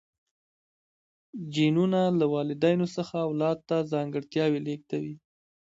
جینونه له والدینو څخه اولاد ته ځانګړتیاوې لیږدوي